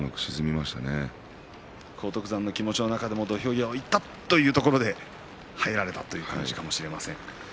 荒篤山の気持ちの中でもいったというところで中に入られたのかもしれません。